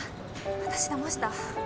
私だました